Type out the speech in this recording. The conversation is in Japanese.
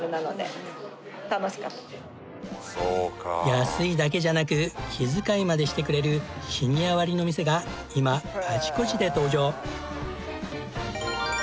安いだけじゃなく気遣いまでしてくれるシニア割の店が今あちこちで登場。